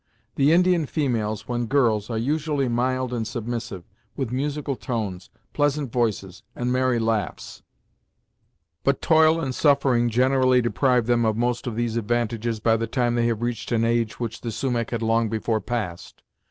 The Indian females, when girls, are usually mild and submissive, with musical tones, pleasant voices and merry laughs, but toil and suffering generally deprive them of most of these advantages by the time they have reached an age which the Sumach had long before passed.